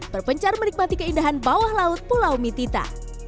berpencar menikmati keindahan bawah laut pulau mitita